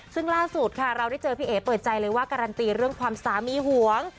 ซึ่งล่าสุดค่ะเราได้เจอพี่เอ๋เปิดใจเลยว่าการันตีเรื่องความสามีหวง